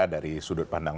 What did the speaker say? dari sudut pandang